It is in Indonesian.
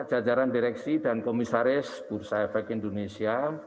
jajaran direksi dan komisaris bursa efek indonesia